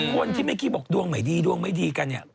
คนที่ไม่คิดบอกดวงใหม่ดีดวงไม่ดีกัน